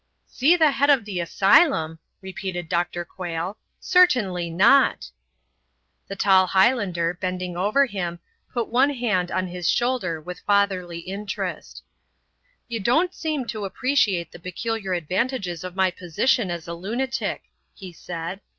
"See the head of the asylum," repeated Dr. Quayle. "Certainly not." The tall Highlander, bending over him, put one hand on his shoulder with fatherly interest. "You don't seem to appreciate the peculiar advantages of my position as a lunatic," he said.